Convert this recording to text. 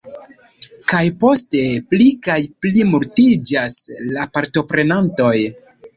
Kaj poste pli kaj pli multiĝis la partoprenantoj.